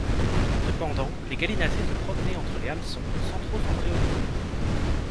Cependant, les gallinacés se promenaient entre les hameçons, sans trop s’en préoccuper